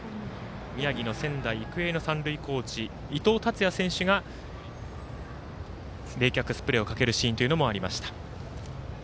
宮城の仙台育英の三塁コーチ伊藤達也選手が冷却スプレーをかけるシーンもありました。